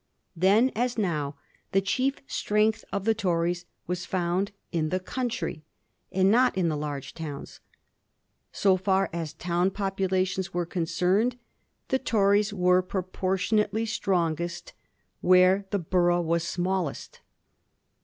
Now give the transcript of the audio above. Then as now the chief strength of the Tories was found in the country, and not in the large towns. So far as town populations were concerned, the Tories were proportionately strongest where the borough was smallest.